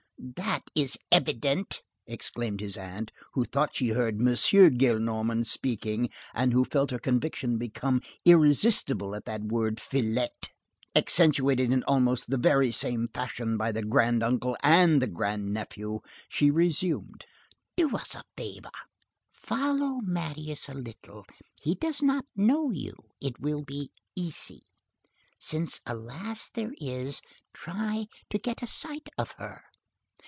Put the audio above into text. "That is evident," exclaimed his aunt, who thought she heard M. Gillenormand speaking, and who felt her conviction become irresistible at that word fillette, accentuated in almost the very same fashion by the granduncle and the grandnephew. She resumed:— "Do us a favor. Follow Marius a little. He does not know you, it will be easy. Since a lass there is, try to get a sight of her.